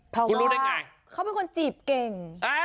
ก็เขาเป็นคนจีบเก่ง